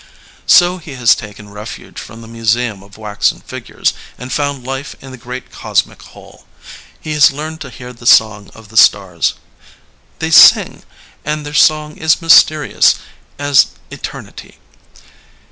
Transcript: '' So he has taken refuge from the museum of waxen figures and found life in the great cosmic whole. He has learned to hear the song of the stars. They sing, and their song is mysterious as eter nity.